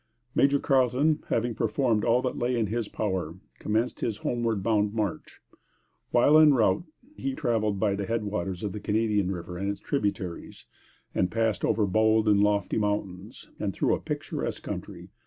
Major Carleton, having performed all that lay in his power, commenced his homeward bound march. While en route he traveled by the head waters of the Canadian River and its tributaries, and passed over bold and lofty mountains, and through a picturesque country.